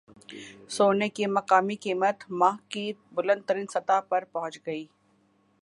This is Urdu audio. سونے کی مقامی قیمت ماہ کی بلند ترین سطح پر پہنچ گئی